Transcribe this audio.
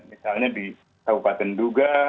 misalnya di kabupaten duga